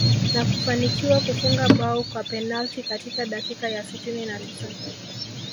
Na kufanikiwa kufunga bao kwa penalti katika dakika ya sitini na tisa